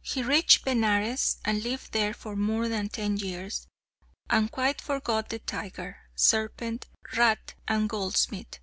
He reached Benares, and lived there for more than ten years, and quite forgot the tiger, serpent, rat, and goldsmith.